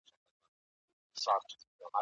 افغان استادان خپلواکي سیاسي پریکړي نه سي کولای.